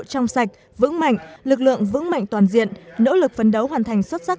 trong sạch vững mạnh lực lượng vững mạnh toàn diện nỗ lực phấn đấu hoàn thành xuất sắc